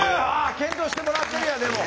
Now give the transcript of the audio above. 検討してもらってるやんでも。